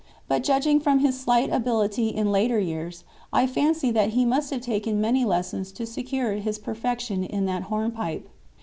But judging from his slight ability in later years, I fancy that he must have taken many lessons to secure his perfection in that hornpipe.